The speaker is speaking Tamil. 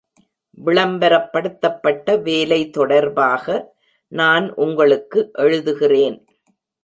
விளம்பரப்படுத்தப்பட்ட வேலை தொடர்பாக நான் உங்களுக்கு எழுதுகிறேன்.